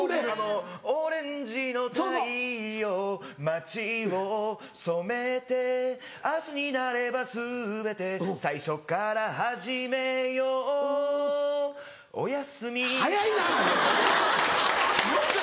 オレンジの太陽街を染めて明日になれば全て最初から始めようおやすみ早いな！